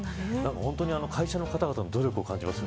本当に会社の方々の努力を感じます。